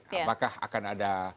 apakah akan ada